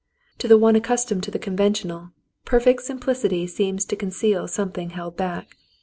To one accustomed to the conventional, perfect sim plicity seems to conceal something held back.